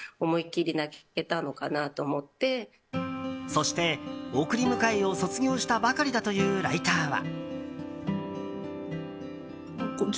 そして、送り迎えを卒業したばかりだというライターは。